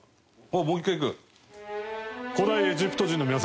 もう一回いく？